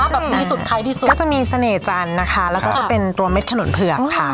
แบบดีสุดไทยที่สุดก็จะมีเสน่หจันทร์นะคะแล้วก็จะเป็นตัวเม็ดขนุนเผือกค่ะ